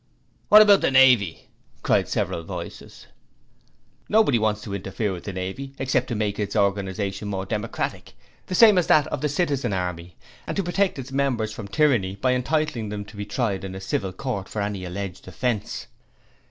'What about the Navy?' cried several voices. 'Nobody wants to interfere with the Navy except to make its organization more democratic the same as that of the Citizen Army and to protect its members from tyranny by entitling them to be tried in a civil court for any alleged offence.